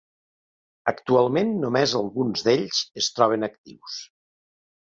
Actualment només alguns d'ells es troben actius.